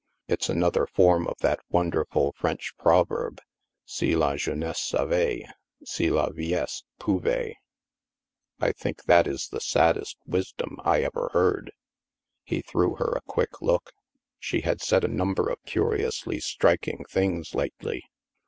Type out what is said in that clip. It's another form of that wonderful French proverb, * Si la jeunesse savait, si la viellesse pouvait!' I think that is the saddest wisdom I ever heard." He threw her a quick look. She had said a num ber of curiously striking things lately.